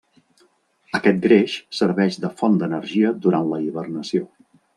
Aquest greix serveix de font d'energia durant la hibernació.